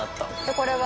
これは。